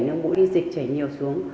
nếu mũi đi dịch chảy nhiều xuống